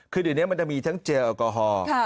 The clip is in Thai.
คือเดี๋ยวนี้มันจะมีทั้งเจลแอลกอฮอล์